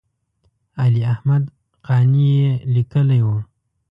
علي احمد قانع یې لیکلی و.